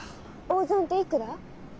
大損っていくら？